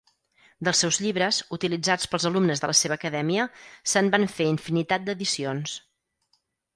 Dels seus llibres, utilitzats pels alumnes de la seva acadèmia, se'n van fer infinitat d'edicions.